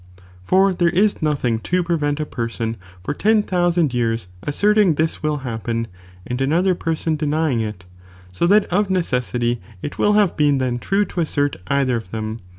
For there is nothing to prevent a person for ten thousand years asserting that this will happen, and another person denying it, so that of necessity it will have been then true to assert either of them.